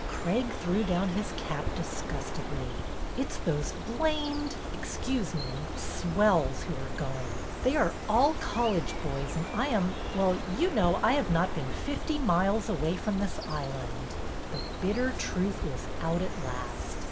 Craig threw down his cap disgustedly. It 's those blamed — excuse me — swells who are going. They are all college boys and I am — well, you know I have not been fifty miles away from this island." The bitter truth was out at last.